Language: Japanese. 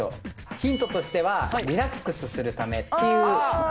ヒントとしてはリラックスするためっていう。